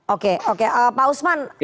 oke pak usman